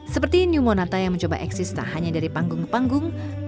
seperti new monata yang mencoba eksis tak hanya dari panggung ke panggung